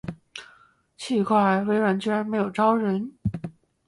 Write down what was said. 奇怪，微软居然没有招人